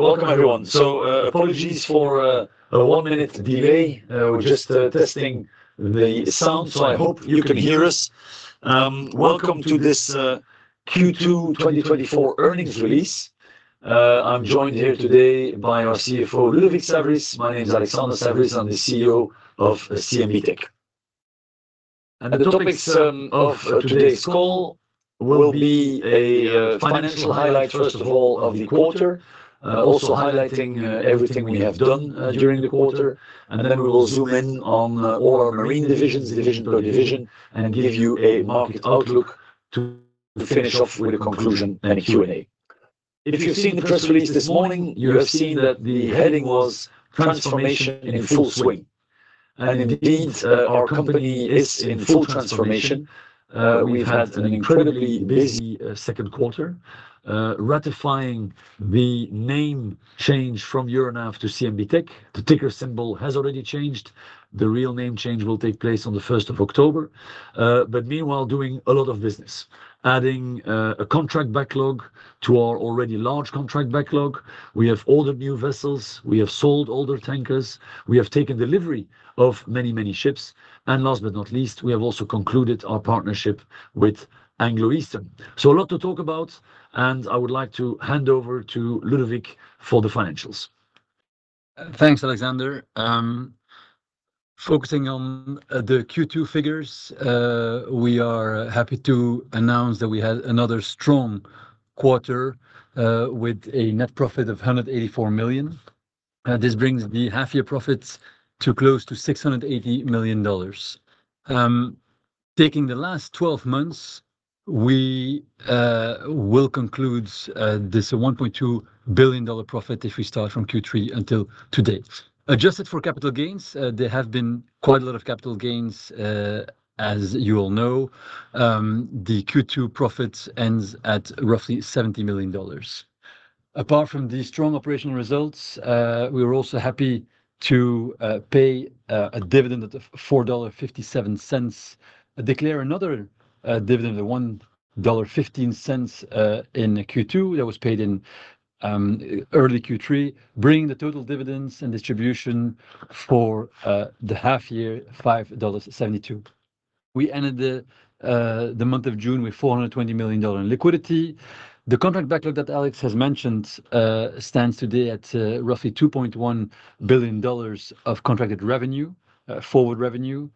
Welcome everyone. So, apologies for a one-minute delay. We're just testing the sound, so I hope you can hear us. Welcome to this Q2 2024 earnings release. I'm joined here today by our CFO, Ludovic Saverys. My name is Alexandre Saverys. I'm the CEO of CMB.TECH. And the topics of today's call will be a financial highlight, first of all, of the quarter. Also highlighting everything we have done during the quarter, and then we will zoom in on all our marine divisions, division per division, and give you a market outlook to finish off with a conclusion and a Q&A. If you've seen the press release this morning, you have seen that the heading was Transformation in Full Swing, and indeed, our company is in full transformation. We've had an incredibly busy second quarter, ratifying the name change from Euronav to CMB.TECH. The ticker symbol has already changed. The real name change will take place on the 1st of October. But meanwhile, doing a lot of business, adding a contract backlog to our already large contract backlog. We have ordered new vessels, we have sold older tankers, we have taken delivery of many, many ships, and last but not least, we have also concluded our partnership with Anglo-Eastern. So a lot to talk about, and I would like to hand over to Ludovic for the financials. Thanks, Alexandre. Focusing on the Q2 figures, we are happy to announce that we had another strong quarter with a net profit of $184 million. This brings the half-year profits to close to $680 million. Taking the last 12 months, we will conclude this $1.2 billion profit if we start from Q3 until today. Adjusted for capital gains, there have been quite a lot of capital gains as you all know. The Q2 profits ends at roughly $70 million. Apart from the strong operational results, we were also happy to pay a dividend of $4.57. We declared another dividend of $1.15 in Q2, that was paid in early Q3, bringing the total dividends and distribution for the half year $5.72. We ended the month of June with $420 million dollar in liquidity. The contract backlog that Alex has mentioned stands today at roughly $2.1 billion dollars of contracted revenue, forward revenue,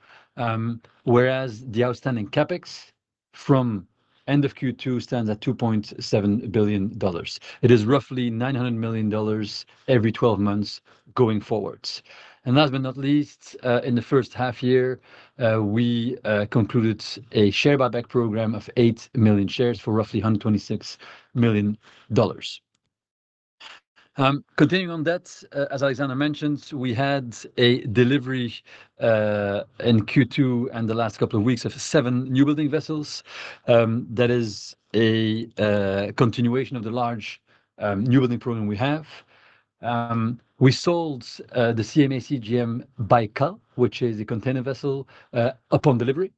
whereas the outstanding CapEx from end of Q2 stands at $2.7 billion dollars. It is roughly $900 million dollars every 12 months going forwards. And last but not least, in the first half year, we concluded a share buyback program of 8 million shares for roughly $126 million dollars. Continuing on that, as Alexandre mentioned, we had a delivery in Q2 and the last couple of weeks of seven newbuilding vessels. That is a continuation of the large newbuilding program we have. We sold the CMA CGM BAIKAL, which is a container vessel upon delivery.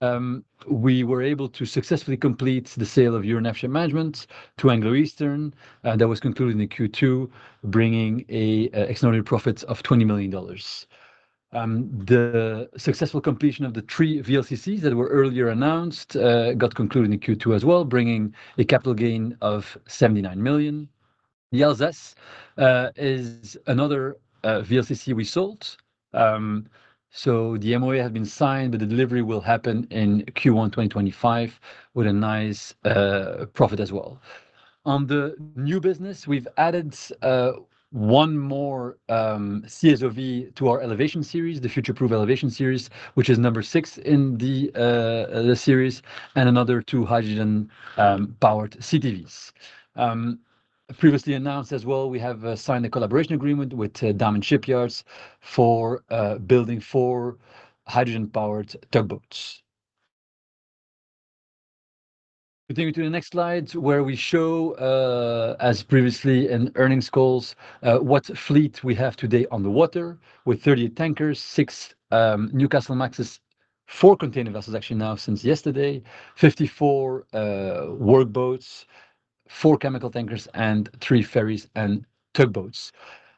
We were able to successfully complete the sale of Euronav Shipmanagement to Anglo-Eastern, that was concluded in Q2, bringing an extraordinary profit of $20 million. The successful completion of the three VLCCs that were earlier announced got concluded in Q2 as well, bringing a capital gain of $79 million. The Alsace is another VLCC we sold. So the MoA has been signed, but the delivery will happen in Q1 2025 with a nice profit as well. On the new business, we've added one more CSOV to our Elevation series, the Future Proof Elevation series, which is number six in the series, and another two hydrogen-powered CTVs. Previously announced as well, we have signed a collaboration agreement with Damen Shipyards for building four hydrogen-powered tugboats. Continuing to the next slide, where we show, as previously in earnings calls, what fleet we have today on the water, with 30 tankers, six Newcastlemaxes, four container vessels, actually now since yesterday, 54 workboats, four chemical tankers, and three ferries and tugboats.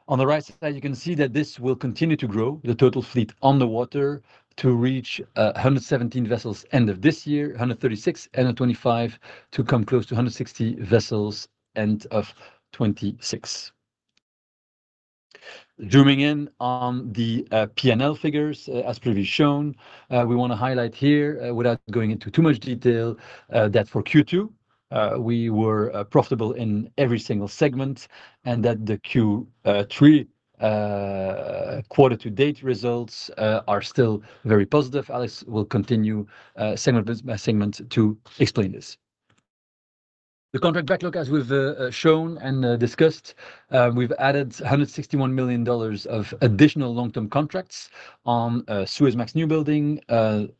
On the right side, you can see that this will continue to grow, the total fleet on the water, to reach 117 vessels end of this year, 136 end of 2025, to come close to 160 vessels end of 2026. Zooming in on the P&L figures, as previously shown, we wanna highlight here, without going into too much detail, that for Q2, we were profitable in every single segment, and that the Q3 quarter-to-date results are still very positive. Alex will continue, segment by segment to explain this. The contract backlog, as we've shown and discussed, we've added $161 million of additional long-term contracts on a Suezmax newbuilding,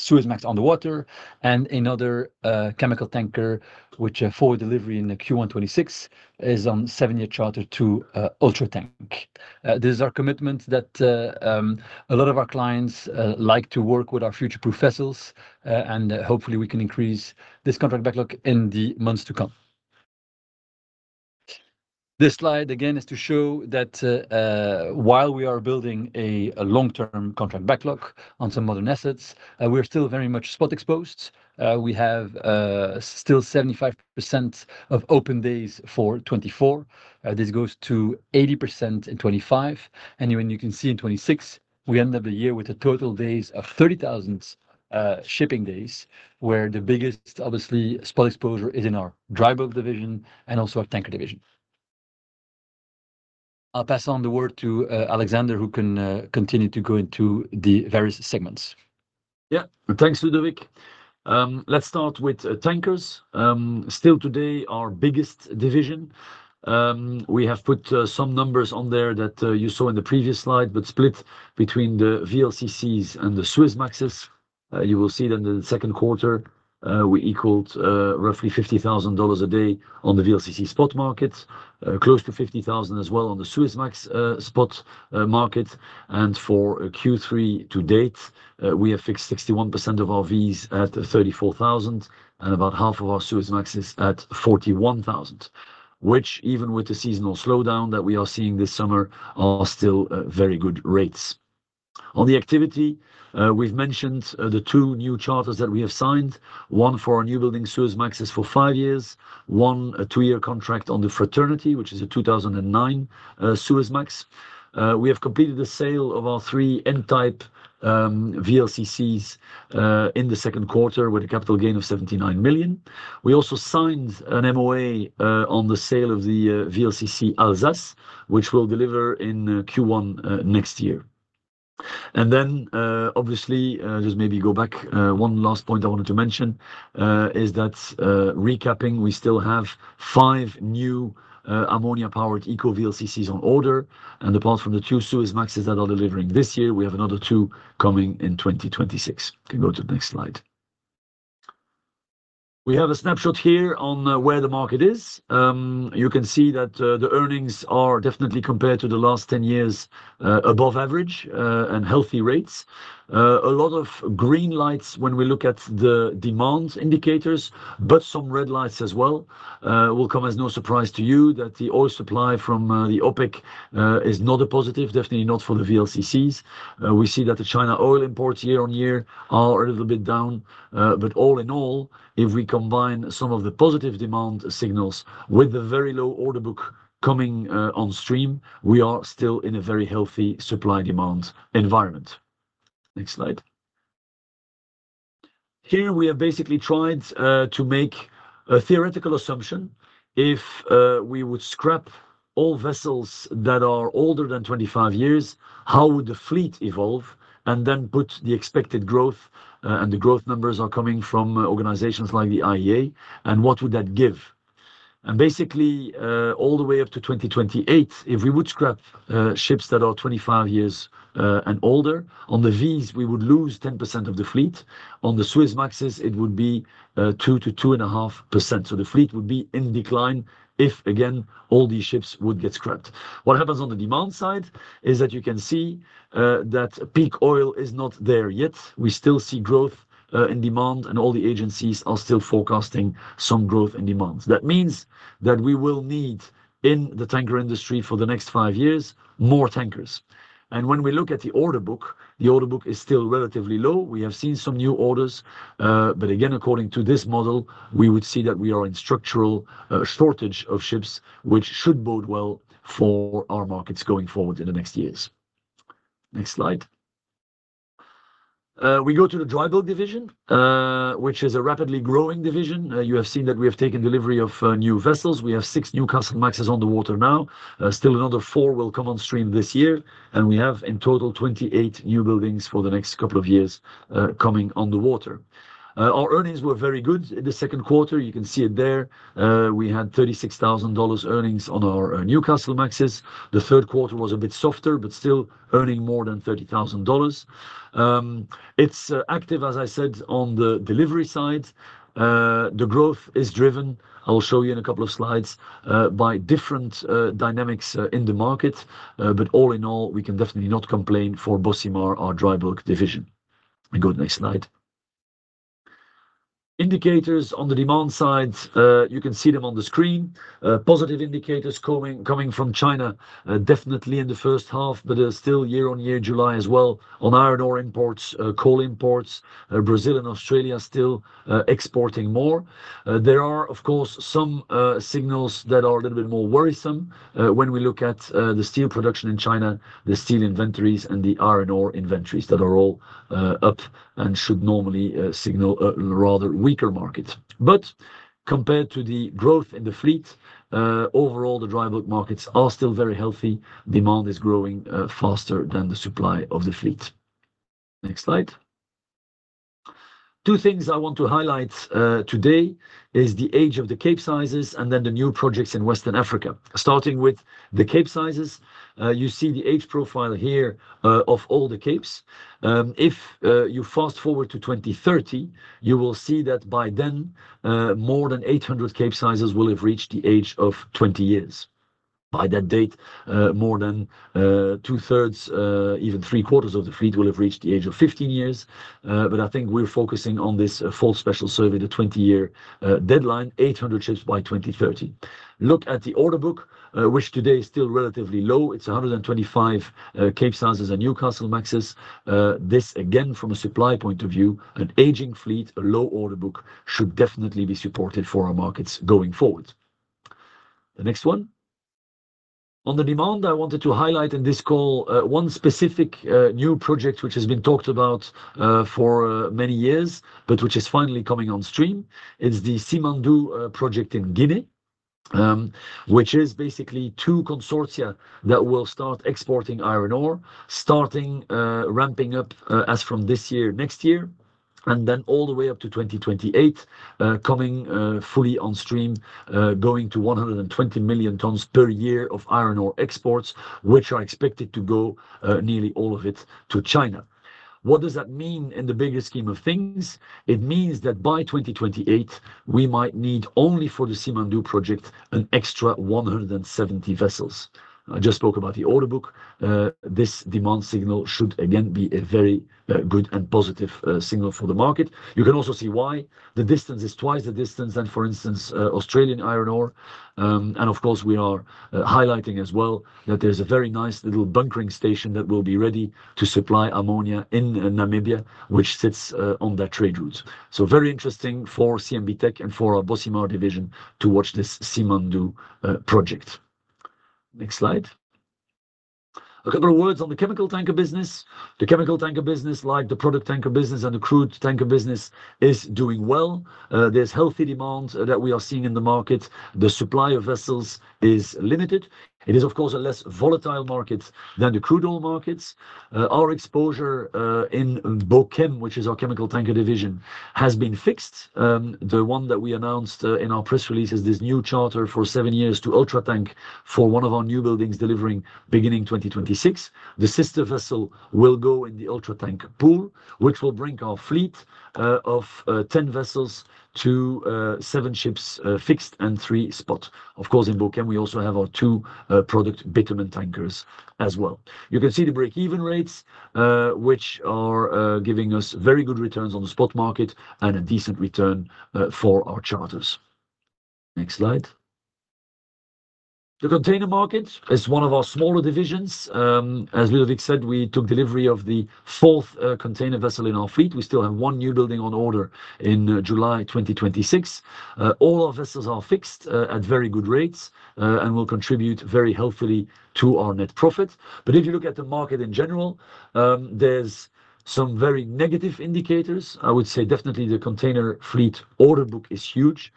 Suezmax on the water, and another chemical tanker, which are for delivery in the Q1 2026, is on seven-year charter to Ultratank. This is our commitment that a lot of our clients like to work with our future-proof vessels, and hopefully we can increase this contract backlog in the months to come. This slide, again, is to show that while we are building a long-term contract backlog on some modern assets, we are still very much spot exposed. We have still 75% of open days for 2024. This goes to 80% in 2025, and you can see in 2026, we end up the year with a total of 30,000 shipping days, where the biggest, obviously, spot exposure is in our dry bulk division and also our tanker division. I'll pass on the word to Alexandre, who can continue to go into the various segments. Yeah. Thanks, Ludovic. Let's start with tankers. Still today, our biggest division. We have put some numbers on there that you saw in the previous slide, but split between the VLCCs and the Suezmaxes. You will see that in the second quarter, we equaled roughly $50,000 a day on the VLCC spot market, close to $50,000 as well on the Suezmax spot market. And for Q3 to date, we have fixed 61% of our VLCCs at $34,000, and about half of our Suezmaxes at $41,000, which even with the seasonal slowdown that we are seeing this summer, are still very good rates. On the activity, we've mentioned the 2 new charters that we have signed, one for our newbuilding Suezmaxes for 5 years, one, a 2-year contract on the Fraternity, which is a 2009 Suezmax. We have completed the sale of our 3 N type VLCCs in the second quarter with a capital gain of $79 million. We also signed an MoA on the sale of the VLCC Alsace, which will deliver in Q1 next year. And then, obviously, just maybe go back. One last point I wanted to mention is that, recapping, we still have 5 new ammonia-powered eco VLCCs on order, and apart from the 2 Suezmaxes that are delivering this year, we have another 2 coming in 2026. You can go to the next slide. We have a snapshot here on where the market is. You can see that the earnings are definitely compared to the last 10 years above average and healthy rates. A lot of green lights when we look at the demand indicators, but some red lights as well. It will come as no surprise to you that the oil supply from the OPEC is not a positive, definitely not for the VLCCs. We see that the China oil imports year-on-year are a little bit down, but all in all, if we combine some of the positive demand signals with the very low order book coming on stream, we are still in a very healthy supply/demand environment. Next slide. Here, we have basically tried to make a theoretical assumption. If we would scrap all vessels that are older than 25 years, how would the fleet evolve? And then put the expected growth, and the growth numbers are coming from organizations like the IEA, and what would that give? And basically, all the way up to 2028, if we would scrap ships that are 25 years and older, on the VLCCs, we would lose 10% of the fleet. On the Suezmaxes, it would be 2%-2.5%. So the fleet would be in decline if, again, all these ships would get scrapped. What happens on the demand side is that you can see that peak oil is not there yet. We still see growth in demand, and all the agencies are still forecasting some growth in demand. That means that we will need, in the tanker industry for the next five years, more tankers. And when we look at the order book, the order book is still relatively low. We have seen some new orders, but again, according to this model, we would see that we are in structural shortage of ships, which should bode well for our markets going forward in the next years. Next slide. We go to the dry bulk division, which is a rapidly growing division. You have seen that we have taken delivery of new vessels. We have 6 new Newcastlemaxes on the water now. Still another 4 will come on stream this year, and we have in total 28 Newbuildings for the next couple of years coming on the water. Our earnings were very good in the second quarter. You can see it there. We had $36,000 earnings on our Newcastlemaxes. The third quarter was a bit softer, but still earning more than $30,000. It's active, as I said, on the delivery side. The growth is driven, I will show you in a couple of slides, by different dynamics in the market, but all in all, we can definitely not complain for Bocimar, our dry bulk division. We go next slide. Indicators on the demand side, you can see them on the screen. Positive indicators coming from China, definitely in the first half, but still year-on-year, July as well, on iron ore imports, coal imports, Brazil and Australia still exporting more. There are, of course, some signals that are a little bit more worrisome when we look at the steel production in China, the steel inventories, and the iron ore inventories that are all up and should normally signal a rather weaker market. But compared to the growth in the fleet, overall, the dry bulk markets are still very healthy. Demand is growing faster than the supply of the fleet. Next slide. Two things I want to highlight today is the age of the Cape sizes and then the new projects in Western Africa. Starting with the Cape sizes, you see the age profile here of all the Capes. If you fast-forward to 2030, you will see that by then more than 800 Cape sizes will have reached the age of 20 years. By that date, more than two-thirds, even three-quarters of the fleet will have reached the age of 15 years. But I think we're focusing on this full special survey, the 20-year deadline, 800 ships by 2030. Look at the order book, which today is still relatively low. It's 125 Capesizes and Newcastlemaxes. This, again, from a supply point of view, an aging fleet, a low order book, should definitely be supported for our markets going forward. The next one. On the demand, I wanted to highlight in this call one specific new project, which has been talked about for many years, but which is finally coming on stream. It's the Simandou project in Guinea, which is basically two consortia that will start exporting iron ore, starting, ramping up, as from this year, next year, and then all the way up to 2028, coming, fully on stream, going to 120 million tons per year of iron ore exports, which are expected to go, nearly all of it to China. What does that mean in the bigger scheme of things? It means that by 2028, we might need only for the Simandou project, an extra 170 vessels. I just spoke about the order book. This demand signal should again be a very, good and positive, signal for the market. You can also see why. The distance is twice the distance than, for instance, Australian iron ore. And of course, we are highlighting as well that there's a very nice little bunkering station that will be ready to supply ammonia in Namibia, which sits on that trade route. So very interesting for CMB.TECH and for our Bocimar division to watch this Simandou project. Next slide. A couple of words on the chemical tanker business. The chemical tanker business, like the product tanker business and the crude tanker business, is doing well. There's healthy demand that we are seeing in the market. The supply of vessels is limited. It is, of course, a less volatile market than the crude oil markets. Our exposure in Bochem, which is our chemical tanker division, has been fixed. The one that we announced in our press release is this new charter for seven years to Ultratank for one of our new buildings delivering beginning 2026. The sister vessel will go in the Ultratank pool, which will bring our fleet of 10 vessels to seven ships fixed and three spot. Of course, in Bochem, we also have our two product bitumen tankers as well. You can see the break-even rates, which are giving us very good returns on the spot market and a decent return for our charters. Next slide. The container market is one of our smaller divisions. As Ludovic said, we took delivery of the fourth container vessel in our fleet. We still have one new building on order in July 2026. All our vessels are fixed at very good rates and will contribute very healthily to our net profit. But if you look at the market in general, there's some very negative indicators. I would say definitely the container fleet order book is huge,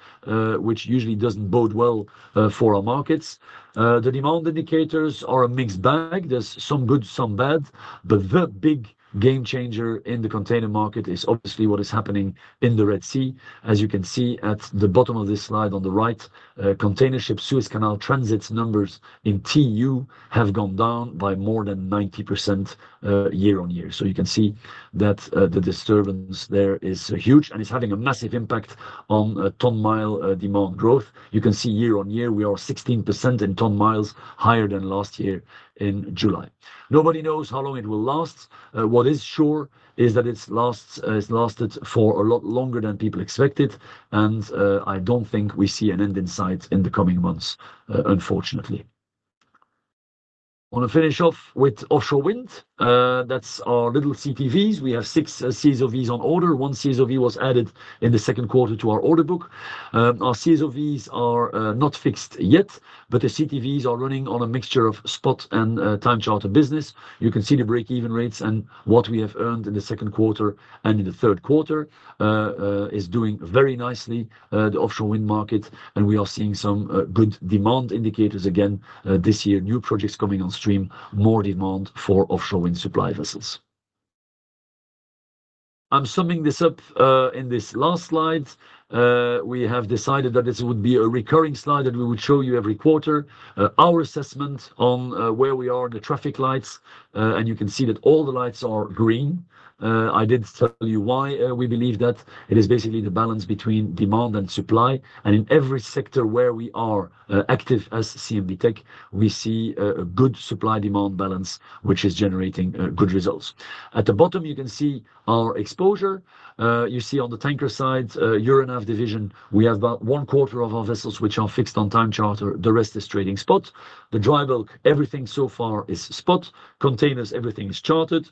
which usually doesn't bode well for our markets. The demand indicators are a mixed bag. There's some good, some bad, but the big game changer in the container market is obviously what is happening in the Red Sea. As you can see at the bottom of this slide on the right, container ship Suez Canal transits numbers in TU have gone down by more than 90% year-over-year. So you can see that the disturbance there is huge, and it's having a massive impact on ton-mile demand growth. You can see year-on-year, we are 16% in ton miles higher than last year in July. Nobody knows how long it will last. What is sure is that it's lasted for a lot longer than people expected, and I don't think we see an end in sight in the coming months, unfortunately. I want to finish off with offshore wind. That's our little CTVs. We have six CSOV on order. One CSOV was added in the second quarter to our order book. Our CSOVs are not fixed yet, but the CTVs are running on a mixture of spot and time charter business. You can see the break-even rates and what we have earned in the second quarter and in the third quarter. is doing very nicely, the offshore wind market, and we are seeing some good demand indicators again this year. New projects coming on stream, more demand for offshore wind supply vessels. I'm summing this up in this last slide. We have decided that this would be a recurring slide that we would show you every quarter, our assessment on where we are in the traffic lights, and you can see that all the lights are green. I did tell you why we believe that it is basically the balance between demand and supply, and in every sector where we are active as CMB.TECH, we see a good supply-demand balance, which is generating good results. At the bottom, you can see our exposure. You see on the tanker side, Euronav division, we have about one quarter of our vessels, which are fixed on time charter. The rest is trading spot. The dry bulk, everything so far is spot. Containers, everything is chartered.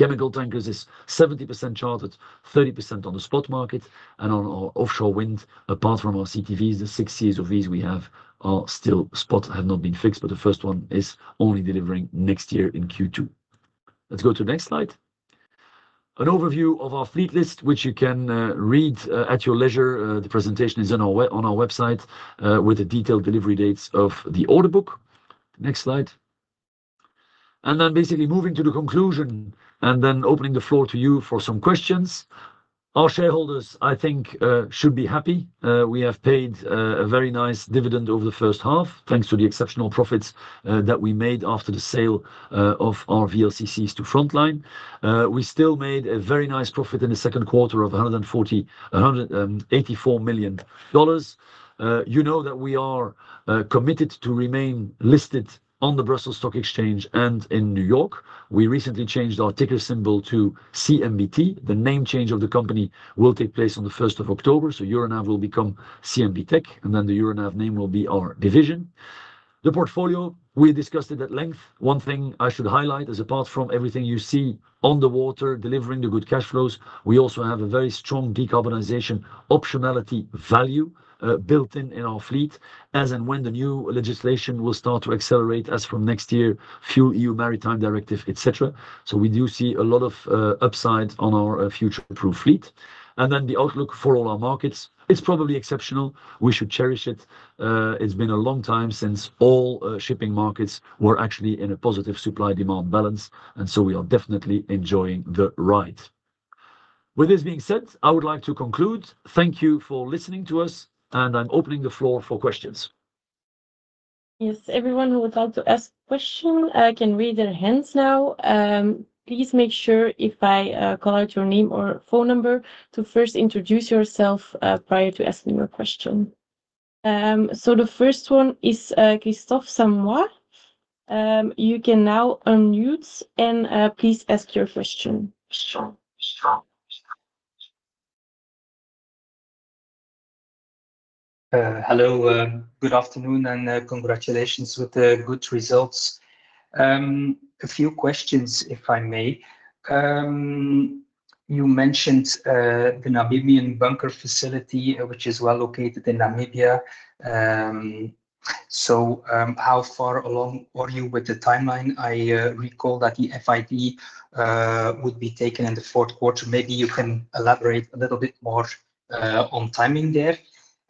Chemical tankers is 70% chartered, 30% on the spot market, and on our offshore wind, apart from our CTVs, the six CSOVs we have are still spot, have not been fixed, but the first one is only delivering next year in Q2. Let's go to the next slide. An overview of our fleet list, which you can read at your leisure. The presentation is on our web, on our website, with the detailed delivery dates of the order book. Next slide. And then basically moving to the conclusion and then opening the floor to you for some questions. Our shareholders, I think, should be happy. We have paid a very nice dividend over the first half, thanks to the exceptional profits that we made after the sale of our VLCCs to Frontline. We still made a very nice profit in the second quarter of $184 million. You know that we are committed to remain listed on the Brussels Stock Exchange and in New York. We recently changed our ticker symbol to CMBT. The name change of the company will take place on the first of October, so Euronav will become CMB.TECH, and then the Euronav name will be our division. The portfolio, we discussed it at length. One thing I should highlight is, apart from everything you see on the water, delivering the good cash flows, we also have a very strong decarbonization optionality value, built in in our fleet, as and when the new legislation will start to accelerate as from next year, FuelEU Maritime Directive, et cetera. So we do see a lot of upside on our future-proof fleet. And then the outlook for all our markets, it's probably exceptional. We should cherish it. It's been a long time since all shipping markets were actually in a positive supply-demand balance, and so we are definitely enjoying the ride. With this being said, I would like to conclude. Thank you for listening to us, and I'm opening the floor for questions. Yes, everyone who would like to ask question, I can raise their hands now. Please make sure if I call out your name or phone number, to first introduce yourself prior to asking your question. So the first one is Christophe Samoy. You can now unmute and please ask your question. Hello, good afternoon, and congratulations with the good results. A few questions, if I may. You mentioned the Namibian bunker facility, which is well located in Namibia. So, how far along are you with the timeline? I recall that the FID would be taken in the fourth quarter. Maybe you can elaborate a little bit more on timing there.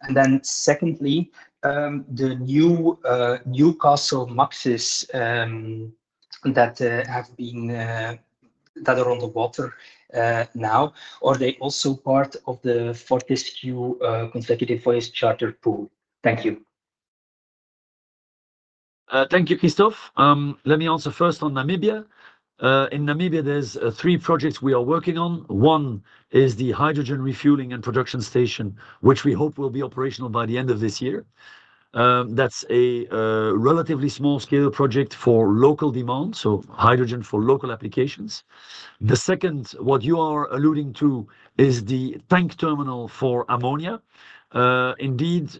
And then secondly, the new Newcastle maxes that are on the water now, are they also part of the Fortescue consecutive voyage charter pool? Thank you. Thank you, Christophe. Let me answer first on Namibia. In Namibia, there's three projects we are working on. One is the hydrogen refueling and production station, which we hope will be operational by the end of this year. That's a relatively small-scale project for local demand, so hydrogen for local applications. The second, what you are alluding to, is the tank terminal for ammonia. Indeed,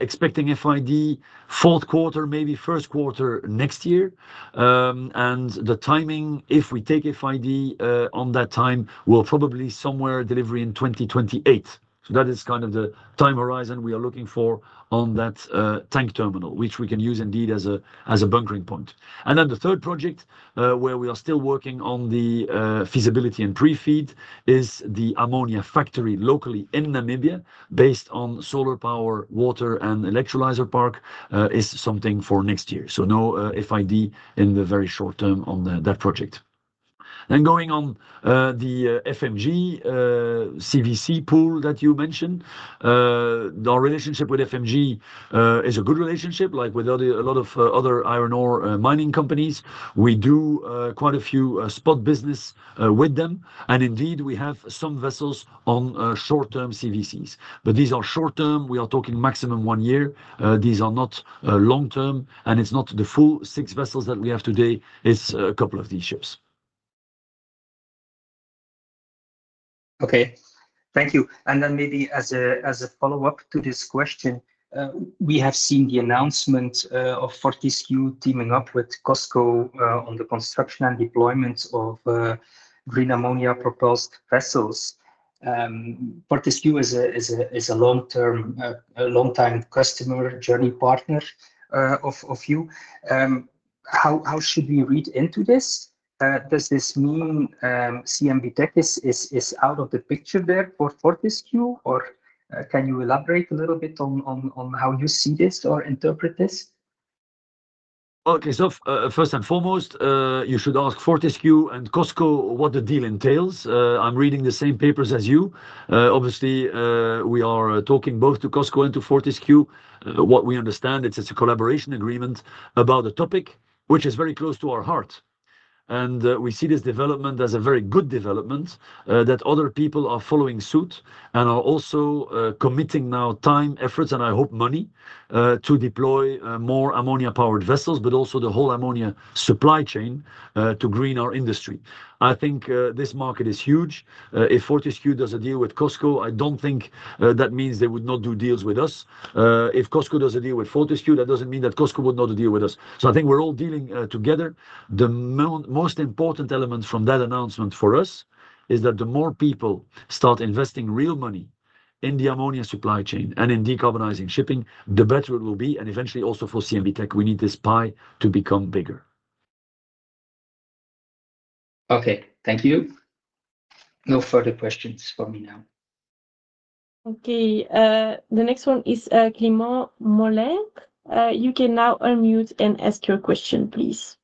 expecting FID fourth quarter, maybe first quarter next year. And the timing, if we take FID, on that time, will probably somewhere delivery in 2028. So that is kind of the time horizon we are looking for on that, tank terminal, which we can use indeed as a bunkering point. And then the third project, where we are still working on the feasibility and pre-feed, is the ammonia factory locally in Namibia, based on solar power, water, and electrolyzer park, is something for next year. So no, FID in the very short term on that project. Then going on, the FMG CVC pool that you mentioned. Our relationship with FMG is a good relationship, like with other, a lot of other iron ore mining companies. We do quite a few spot business with them, and indeed, we have some vessels on short-term CVCs. But these are short term, we are talking maximum one year. These are not long term, and it's not the full six vessels that we have today, it's a couple of these ships. Okay. Thank you. And then maybe as a follow-up to this question, we have seen the announcement of Fortescue teaming up with COSCO on the construction and deployment of green ammonia-powered vessels. Fortescue is a long-term, a long-time customer, journey partner of you. How should we read into this? Does this mean CMB.TECH is out of the picture there for Fortescue, or can you elaborate a little bit on how you see this or interpret this? Well, Christophe, first and foremost, you should ask Fortescue and COSCO what the deal entails. I'm reading the same papers as you. Obviously, we are talking both to COSCO and to Fortescue. What we understand, it's just a collaboration agreement about a topic which is very close to our heart. And, we see this development as a very good development, that other people are following suit and are also committing now time, efforts, and I hope money, to deploy more ammonia-powered vessels, but also the whole ammonia supply chain, to green our industry. I think this market is huge. If Fortescue does a deal with COSCO, I don't think that means they would not do deals with us. If COSCO does a deal with Fortescue, that doesn't mean that COSCO would not do a deal with us. So I think we're all dealing, together. The most important element from that announcement for us is that the more people start investing real money in the ammonia supply chain and in decarbonizing shipping, the better it will be, and eventually also for CMB.TECH, we need this pie to become bigger. Okay. Thank you. No further questions for me now. Okay, the next one is Clement Molin. You can now unmute and ask your question, please.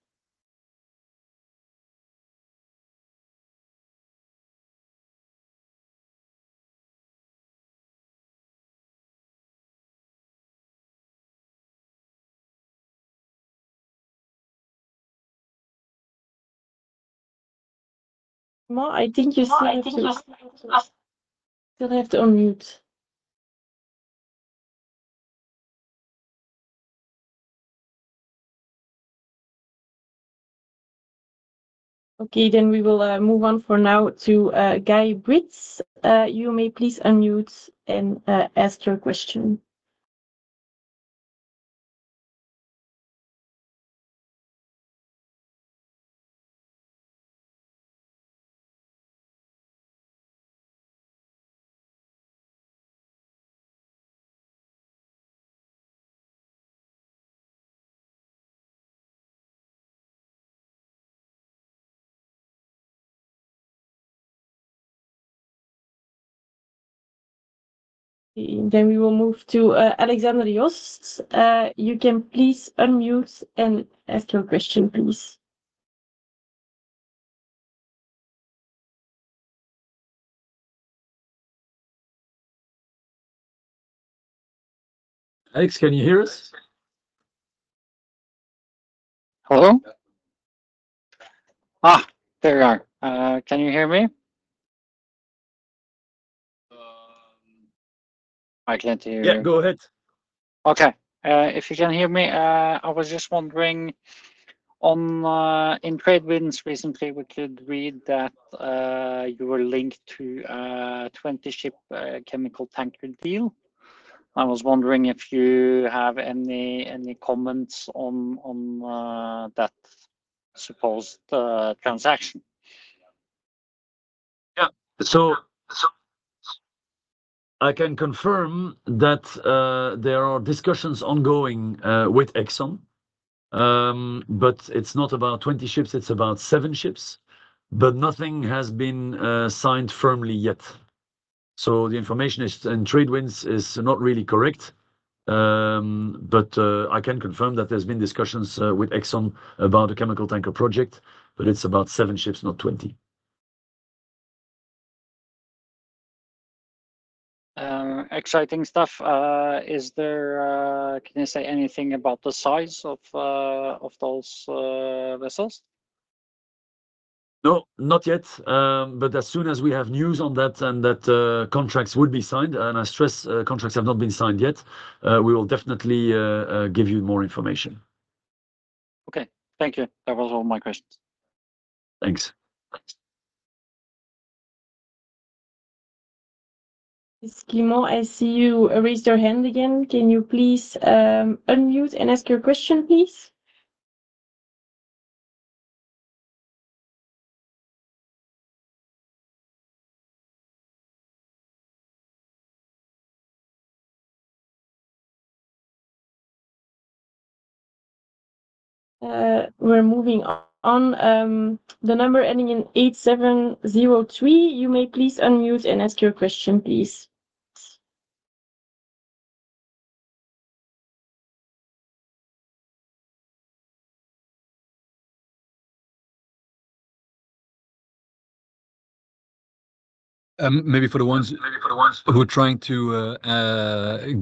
Well, I think you still, I think you still have to unmute. Okay, then we will move on for now to Guy Brits. You may please unmute and ask your question. Okay, then we will move to Alexander Jost. You can please unmute and ask your question, please. Alex, can you hear us? Hello? Ah, there you are. Can you hear me? I can't hear you. Yeah, go ahead. Okay. If you can hear me, I was just wondering, in TradeWinds recently, we could read that you were linked to a 20-ship chemical tanker deal. I was wondering if you have any comments on that supposed transaction? Yeah. So I can confirm that there are discussions ongoing with Exxon. But it's not about 20 ships, it's about 7 ships, but nothing has been signed firmly yet. So the information in TradeWinds is not really correct. But I can confirm that there's been discussions with Exxon about a chemical tanker project, but it's about 7 ships, not 20. Exciting stuff. Is there... Can you say anything about the size of those vessels? No, not yet. But as soon as we have news on that, and that contracts would be signed, and I stress, contracts have not been signed yet, we will definitely give you more information. Okay. Thank you. That was all my questions. Thanks. Miss Guimo, I see you raised your hand again. Can you please unmute and ask your question, please? We're moving on, the number ending in 8703, you may please unmute and ask your question, please. Maybe for the ones who are trying to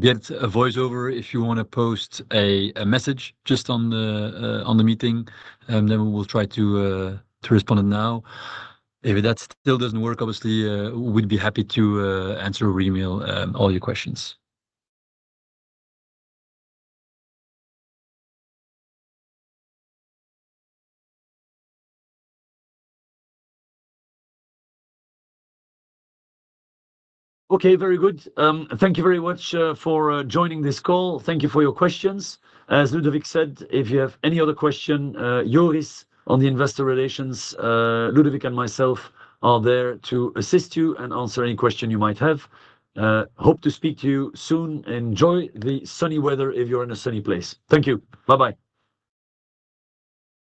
get a voice over, if you wanna post a message just on the meeting, then we will try to respond it now. If that still doesn't work, obviously, we'd be happy to answer over email all your questions. Okay, very good. Thank you very much for joining this call. Thank you for your questions. As Ludovic said, if you have any other question, Joris, on the investor relations, Ludovic and myself are there to assist you and answer any question you might have. Hope to speak to you soon. Enjoy the sunny weather if you're in a sunny place. Thank you. Bye-bye.